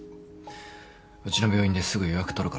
うちの病院ですぐ予約取るからさ。